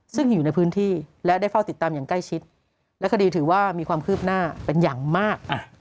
ซึ่งอยู่ในพื้นที่และได้เฝ้าติดตามอย่างใกล้ชิดและคดีถือว่ามีความคืบหน้าเป็นอย่างมาก